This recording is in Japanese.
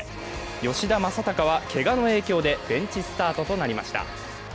吉田正尚は、けがの影響でベンチスタートとなりました。